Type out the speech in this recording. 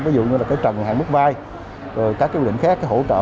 ví dụ như là cái trần hàng mức vai rồi các cái quy định khác hỗ trợ